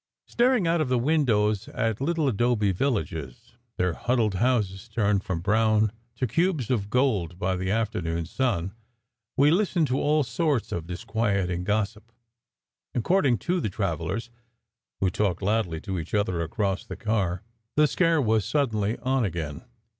Staring out of the win dows at little adobe villages, their huddled houses turned from brown to cubes of gold by the afternoon sun, we listened to all sorts of disquieting gossip. According to the travellers, who talked loudly to each other across the car, the "scare" was suddenly on again.